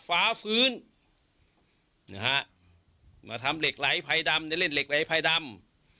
แล้วเป็นชนิดเรียกว่าเหล็กไหลไพ่ดำ